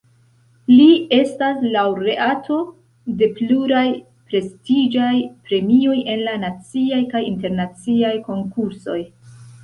Li estas laŭreato de pluraj prestiĝaj premioj en la naciaj kaj internaciaj konkursoj.